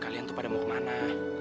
kalian tuh pada mau kemana